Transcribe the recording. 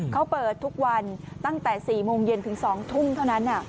เขาเปิดทุกวันตั้งแต่๔โมงเย็นถึง๒ทุ่มเท่านั้น